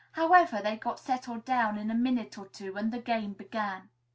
However, they got settled down in a minute or two, and the game began.